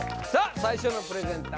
最初のプレゼンター